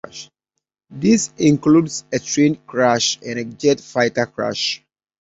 This includes a train crash and a jet fighter crash.